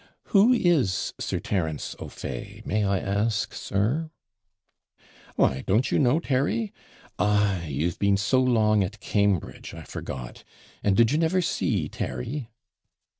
'Who is Sir Terence O'Fay, may I ask, sir?' 'Why, don't you know Terry? Ay, you've been so long at Cambridge, I forgot. And did you never see Terry?'